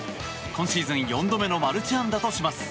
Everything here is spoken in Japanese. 今シーズン４度目のマルチ安打とします。